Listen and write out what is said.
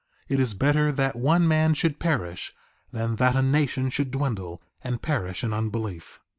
It is better that one man should perish than that a nation should dwindle and perish in unbelief.